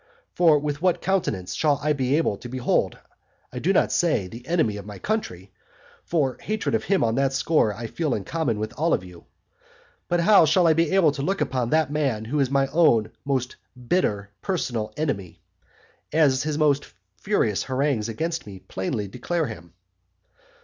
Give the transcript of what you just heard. For with what countenance shall I be able to behold, (I do not say, the enemy of my country, for my hatred of him on that score I feel in common with you all,) but how shall I bear to look upon that man who is my own most bitter personal enemy, as his most furious harangues against me plainly declare him?